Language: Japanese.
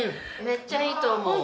めっちゃいいと思う。